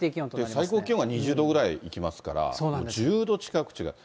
最高気温は２０度ぐらいいきますから、１０度近く違う。